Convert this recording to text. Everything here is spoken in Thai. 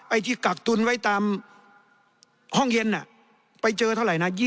ไอ้ที่กักตุนไว้ตามห้องเย็นไปเจอเท่าไหร่นะ